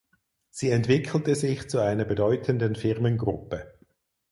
Sie entwickelte sich zu einer bedeutenden Firmengruppe.